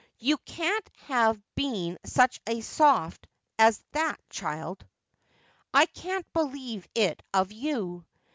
You can't have been such a soft as that, child. I can't believe it of you.'